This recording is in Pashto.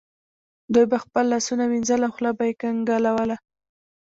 دوی به خپل لاسونه وینځل او خوله به یې کنګالوله.